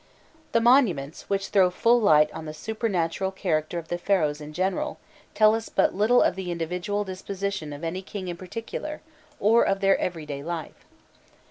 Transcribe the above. The monuments, which throw full light on the supernatural character of the Pharaohs in general, tell us but little of the individual disposition of any king in particular, or of their everyday life.